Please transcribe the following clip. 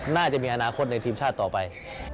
น่าจะมีอนาคตในทีมชาติต่อไป